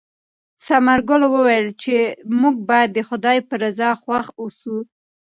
ثمرګل وویل چې موږ باید د خدای په رضا خوښ اوسو.